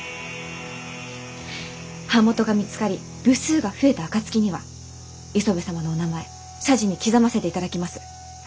版元が見つかり部数が増えた暁には磯部様のお名前謝辞に刻ませていただきます。